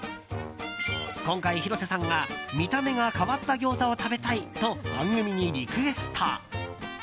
今回、広瀬さんが見た目が変わった餃子を食べたいと番組にリクエスト。